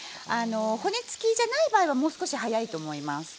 骨付きじゃない場合はもう少し早いと思います。